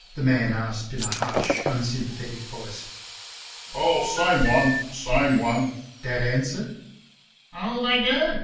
the man asked in a harsh, unsympathetic voice. "Oh, same one, same one!" Dad answered. "Oh, they do!"